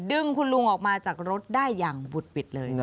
ดึงคุณลุงออกมาจากรถได้อย่างบุดบิดเลย